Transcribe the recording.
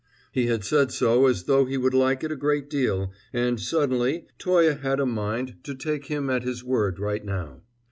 He had said so as though he would like it a great deal, and suddenly Toye had a mind to take him at his word right now.